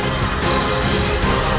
kau tidak bisa menang